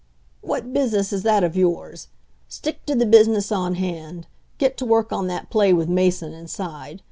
"What business is that of yours? Stick to the business on hand. Get to work on that play with Mason inside.